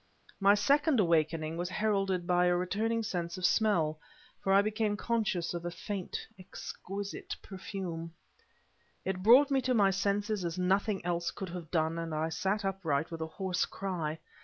My second awakening was heralded by a returning sense of smell; for I became conscious of a faint, exquisite perfume. It brought me to my senses as nothing else could have done, and I sat upright with a hoarse cry.